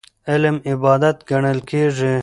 علم عبادت ګڼل کېږي.